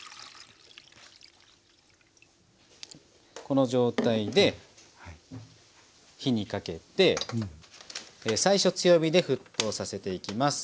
この状態で火にかけて最初強火で沸騰させていきます。